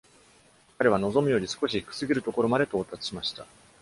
彼は望むより少し低すぎる所まで到達しました。